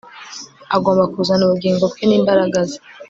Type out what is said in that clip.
agomba kuzana ubugingo bwe n'imbaraga ze